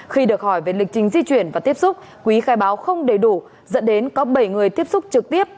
khi được hỏi về lịch trình di chuyển và tiếp xúc quý khai báo không đầy đủ dẫn đến có bảy người tiếp xúc trực tiếp